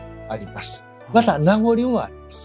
また名残もあります。